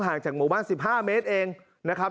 ห่างจากเหมาะบ้าน๑๕เมตรเองนะครับ